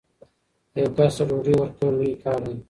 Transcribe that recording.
یو کس ته ډوډۍ ورکول لوی کار دی.